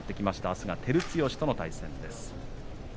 あすは照強との対戦です。